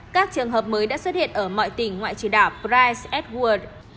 các trường hợp mới đã xuất hiện ở mọi tỉnh ngoại trừ đảo price edward